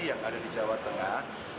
yang ada di jawa tengah